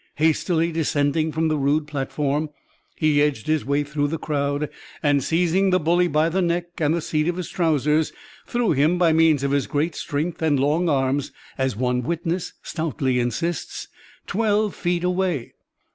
Hastily descending from the rude platform, he edged his way through the crowd, and seizing the bully by the neck and the seat of his trousers, threw him by means of his great strength and long arms, as one witness stoutly insists, 'twelve feet away.'